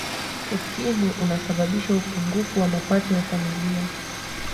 ukimwi unasababisha upungufu wa mapato ya familia